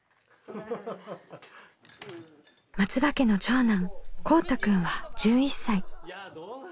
松場家の長男こうたくんは１１歳。